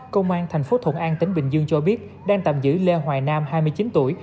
công an thành phố thuận an tỉnh bình dương cho biết đang tạm giữ lê hoài nam hai mươi chín tuổi